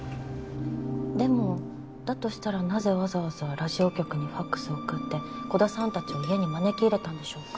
でもだとしたらなぜわざわざラジオ局にファクスを送って鼓田さんたちを家に招き入れたんでしょうか？